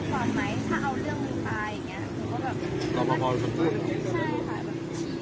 ตอนนี้กำหนังไปคุยของผู้สาวว่ามีคนละตบ